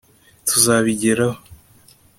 tuzabigeraho